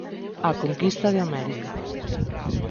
A conquista de América.